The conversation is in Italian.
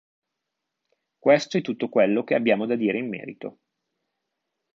Questo è tutto quello che abbiamo da dire in merito".